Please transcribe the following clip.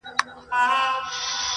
د زړه له درده شاعري کومه ښه کوومه،